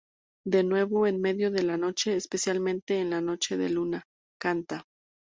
De nuevo, en medio de la noche, especialmente en noches de luna, canta.